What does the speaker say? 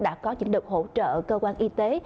đã có những lực hỗ trợ cơ quan y tế